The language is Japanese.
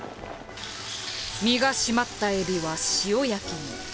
身が締まったエビは塩焼きに。